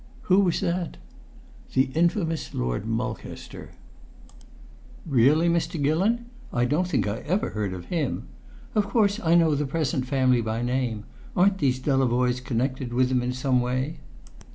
"Who was that?" "The infamous Lord Mulcaster." "Really, Mr. Gillon? I don't think I ever heard of him. Of course I know the present family by name; aren't these Delavoyes connected with them in some way?"